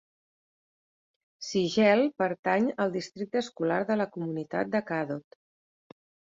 Sigel pertany al districte escolar de la comunitat de Cadott.